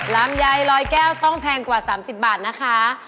ลำไย๑๐๐แก้วต้องแพงกว่า๓๐บาทนะคะ